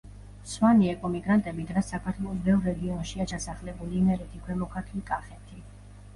სვანი ეკომიგრანტები დღეს საქართველოს ბევრ რეგიონშია ჩასახლებული: იმერეთი, ქვემო ქართლი, კახეთი.